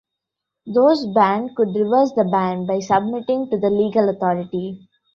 Those banned could reverse the ban by submitting to the legal authority.